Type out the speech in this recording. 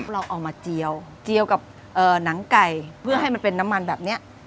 เราเอามาเจียวเจียวกับหนังไก่เพื่อให้มันเป็นน้ำมันแบบนี้